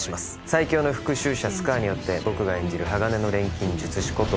最強の復讐者スカーによって僕が演じる鋼の錬金術師こと